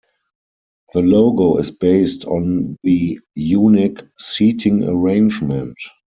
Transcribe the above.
The logo is based on the unique seating arrangement.